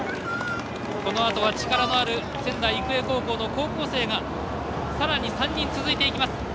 このあとは力のある仙台育英高校の高校生がさらに３人続いていきます。